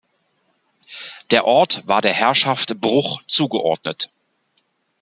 Der Ort war der Herrschaft Bruch zugeordnet.